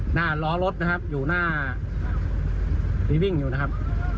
หน้าล้อรถนะครับอยู่หน้าที่วิ่งอยู่นะครับ